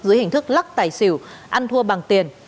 dưới hình thức lắc tài xỉu ăn thua bằng tiền